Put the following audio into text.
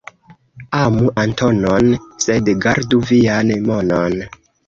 Amu Antonon, sed gardu vian monon.